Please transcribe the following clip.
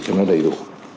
để cho nó đầy đủ